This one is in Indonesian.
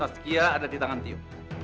skiah ada di tangan tio